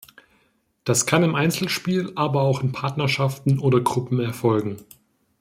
Das kann im Einzelspiel, aber auch in Partnerschaften oder Gruppen erfolgen.